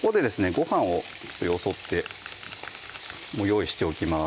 ご飯をよそって用意しておきます